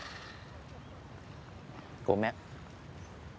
ごめん。